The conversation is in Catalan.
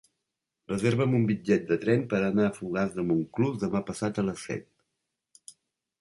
Reserva'm un bitllet de tren per anar a Fogars de Montclús demà passat a les set.